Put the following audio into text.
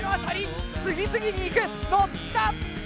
次々にいく！のった！